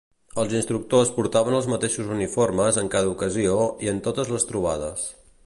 Els instructors portaven els mateixos uniformes en cada ocasió i en totes les trobades.